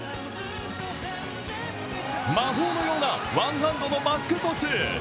魔法のようなワンハンドのバックトス！